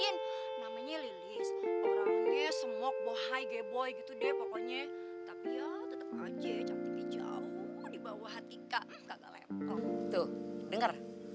namanya lili semoga hai gue boy gitu deh pokoknya tetap aja di bawah tiga